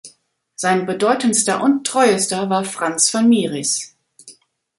Sein bedeutendster und treuester war Frans van Mieris.